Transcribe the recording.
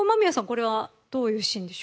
これはどういうシーンでしょう？